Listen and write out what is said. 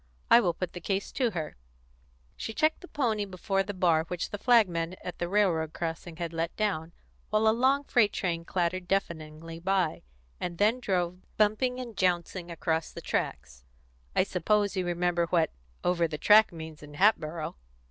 I will put the case to her." She checked the pony before the bar which the flagman at the railroad crossing had let down, while a long freight train clattered deafeningly by, and then drove bumping and jouncing across the tracks. "I suppose you remember what 'Over the Track' means in Hatboro'?"